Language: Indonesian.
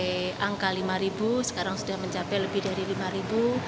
sekarang sudah mencapai angka lima ribu sekarang sudah mencapai lebih dari lima ribu